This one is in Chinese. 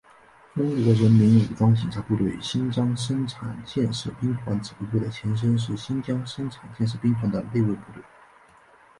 中国人民武装警察部队新疆生产建设兵团指挥部的前身是新疆生产建设兵团的内卫部队。